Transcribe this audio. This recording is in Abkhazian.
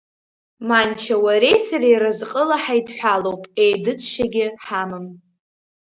Манча, уареи сареи разҟыла ҳаидҳәалоуп, еидыҵшьагьы ҳамам.